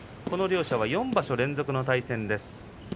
この両者は４場所連続の対戦です。